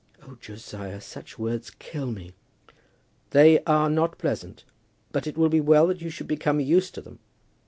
"Oh, Josiah, such words kill me." "They are not pleasant, but it will be well that you should become used to them.